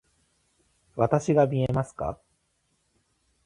わたしが見えますか？